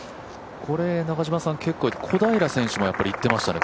小平選手も言ってましたね